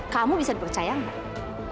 kamu bisa dipercayai mami